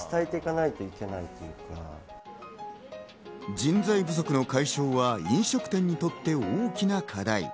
人材不足の解消は飲食店にとって大きな課題。